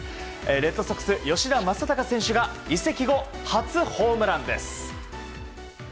レッドソックス、吉田正尚選手が移籍後初ホームランです。